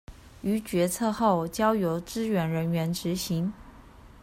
於決策後交由支援人員執行